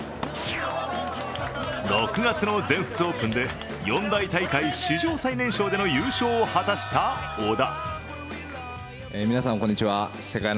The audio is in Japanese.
６月の全仏オープンで四大大会史上最年少での優勝を果たした小田。